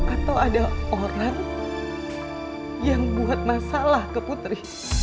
atau ada orang yang buat masalah ke putri